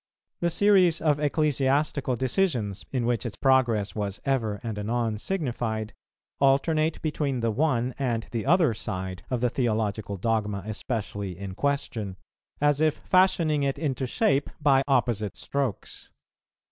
The series of ecclesiastical decisions, in which its progress was ever and anon signified, alternate between the one and the other side of the theological dogma especially in question, as if fashioning it into shape by opposite strokes.